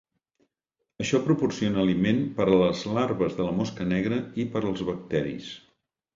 Això proporciona aliment per a les larves de la mosca negra i per als bacteris.